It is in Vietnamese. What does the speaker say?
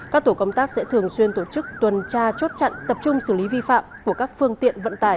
các tổ công tác sẽ thường xuyên tổ chức tuần tra chốt chặn tập trung xử lý vi phạm của các phương tiện vận tải